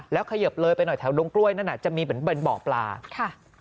แล้วเขยิบเลยไปหน่อยแถวดงกล้วยนั่นอ่ะจะมีเหมือนเป็นบ่อปลาค่ะ